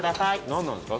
なんなんですか？